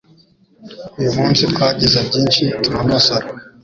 Uyu munsi twagize byinshi tunonosora.